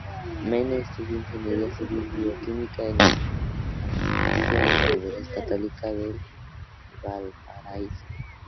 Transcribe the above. Mena estudió ingeniería civil bioquímica en la Pontificia Universidad Católica de Valparaíso.